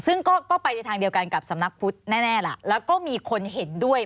ซึ่งก็ไปในทางเดียวกันกับสำนักพุทธแน่ล่ะแล้วก็มีคนเห็นด้วย